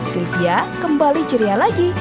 sylvia kembali ceria lagi